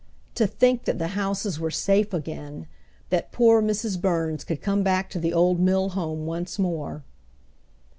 To think that the houses were safe again! That poor Mrs. Burns could come back to the old mill home once more!